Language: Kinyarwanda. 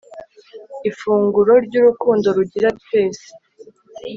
ifunguro ry'urukundo; rugira twese